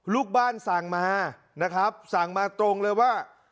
ลูกบ้านสั่งมานะครับสั่งมาตรงเลยว่า